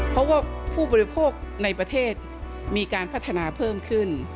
เพราะว่าผู้บริโภคในประเทศมีการพัฒนาเพิ่มขึ้น